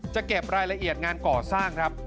จะเก็บรายละเอียดงานก่อสร้างครับ